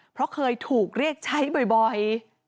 เพราะเคยถูกเรียกใช้บ่อย